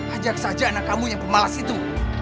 ajak saja anak kamu yang pemalas itu